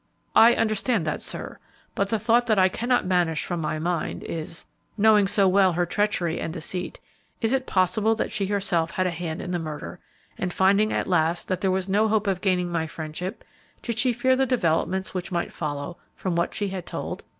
"I understand that, sir; but the thought that I cannot banish from my mind is, knowing so well her treachery and deceit, is it possible that she herself had a hand in the murder, and finding at last that there was no hope of gaining my friendship, did she fear the developments which might follow from what she had told?"